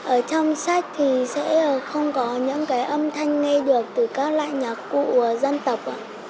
ở trong sách thì sẽ không có những cái âm thanh nghe được từ các loại nhạc cụ dân tộc